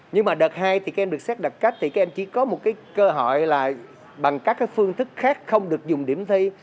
nhưng mà đợt hai thì các em được xét đặc cách thì các em chỉ có một cơ hội là bằng các phương thức khác không được dùng điểm thi